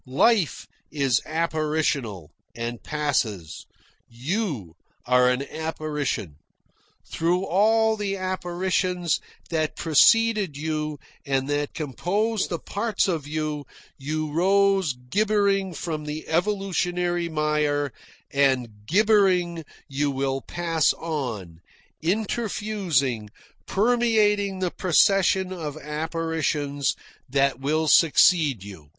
Life is apparitional, and passes. You are an apparition. Through all the apparitions that preceded you and that compose the parts of you, you rose gibbering from the evolutionary mire, and gibbering you will pass on, interfusing, permeating the procession of apparitions that will succeed you."